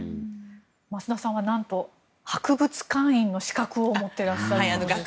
増田さんはなんと博物館員の資格を持っていらっしゃるんですね。